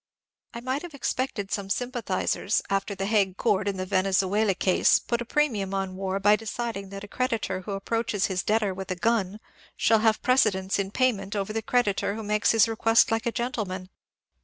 I might have expected some sympathizers after the Hague Court, in the Venezuela case, put a premium on war by deciding that a creditor who approaches his debtor with a gun shall have precedence in payment over the creditor who makes his request like a gen tleman.